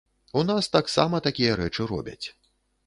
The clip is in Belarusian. У нас таксама такія рэчы робяць.